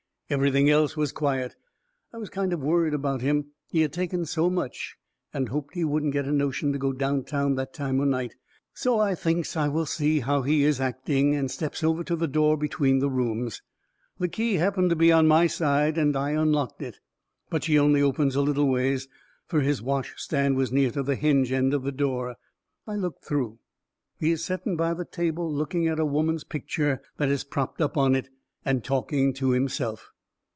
Everything else was quiet. I was kind of worried about him, he had taken so much, and hoped he wouldn't get a notion to go downtown that time o' night. So I thinks I will see how he is acting, and steps over to the door between the rooms. The key happened to be on my side, and I unlocked it. But she only opens a little ways, fur his wash stand was near to the hinge end of the door. I looked through. He is setting by the table, looking at a woman's picture that is propped up on it, and talking to himself.